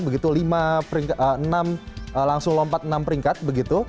begitu langsung lompat enam peringkat begitu